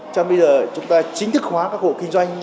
cho bây giờ chúng ta chính thức hóa các hộ kinh doanh